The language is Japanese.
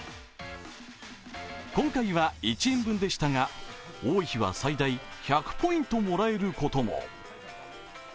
今回は１円分でしたが、多い日は最大１００ポイントもらえることも。